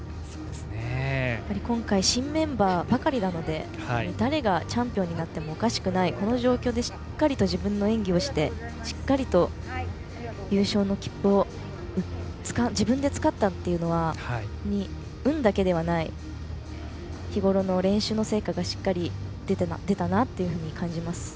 今回、新メンバーばかりなので誰がチャンピオンになってもおかしくないこの状況でしっかりと自分の演技をしてしっかりと優勝の切符を自分でつかんだというのは運だけではない日ごろの練習の成果がしっかり出たなっていうふうに感じます。